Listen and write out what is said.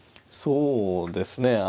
そうですね